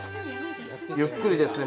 ゆっくりですね